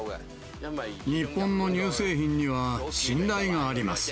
日本の乳製品には信頼があります。